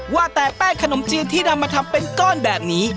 ว่าแต่แป้งขนมจีนที่นำมาทำเป็นก้อนแบบนี้